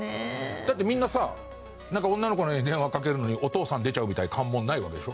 だってみんなさ女の子の家に電話かけるのにお父さん出ちゃうみたいな関門ないわけでしょ？